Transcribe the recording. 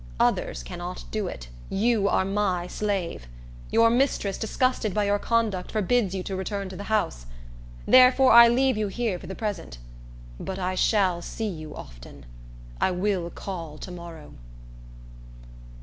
Others cannot do it. You are my slave. Your mistress, disgusted by your conduct, forbids you to return to the house; therefore I leave you here for the present; but I shall see you often. I will call to morrow."